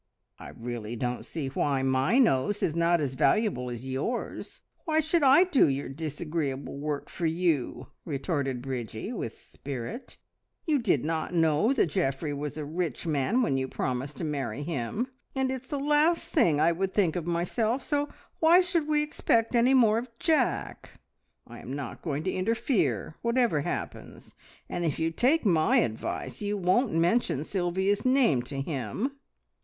"I really don't see why my nose is not as valuable as yours! Why should I do your disagreeable work for you?" retorted Bridgie with spirit. "You did not know that Geoffrey was a rich man when you promised to marry him, and it's the last thing I would think of myself, so why should we expect any more of Jack? I am not going to interfere, whatever happens, and if you take my advice you won't mention Sylvia's name to him!"